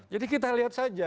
jadi kita lihat saja